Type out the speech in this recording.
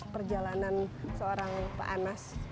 perjalanan seorang pak anas